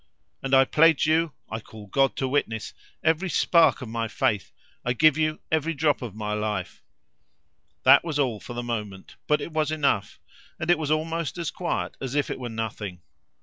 "And I pledge you I call God to witness! every spark of my faith; I give you every drop of my life." That was all, for the moment, but it was enough, and it was almost as quiet as if it were nothing.